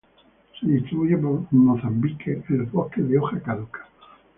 Se distribuye por Mozambique en los bosques de hoja caduca.